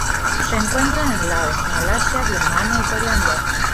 Se encuentra en Laos, Malasia, Birmania, Tailandia.